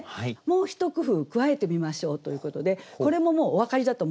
もう一工夫加えてみましょうということでこれももうお分かりだと思うんですね。